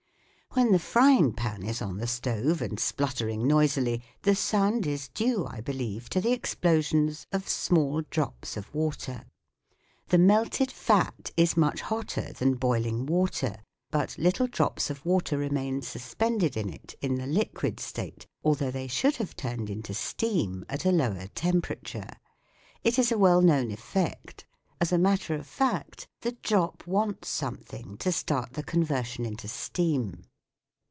When the frying pan is on the stove and splutter ing noisily, the sound is due, I believe, to the explosions of small drops of water. The melted fat is much hotter than boiling water, but little drops of water remain suspended in it in the liquid state although they should have turned into steam at a lower temperature. It is a well known effect ; as a matter of fact, the drop wants something to start the conversion into steam.